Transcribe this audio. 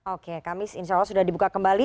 oke kami insya allah sudah dibuka kembali